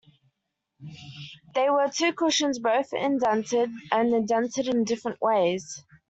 They were two cushions, both indented, and indented in different ways.